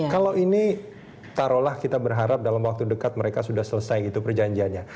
kalau ini taruhlah kita berharap dalam waktu dekat mereka sudah selesai gitu perjanjiannya